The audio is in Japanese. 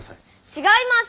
違います！